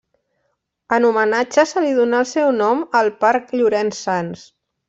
En homenatge se li donà el seu nom al parc Llorenç Sans.